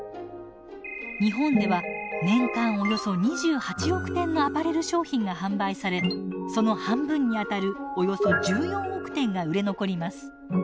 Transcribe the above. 日本では年間およそ２８億点のアパレル商品が販売されその半分にあたるおよそ１４億点が売れ残ります。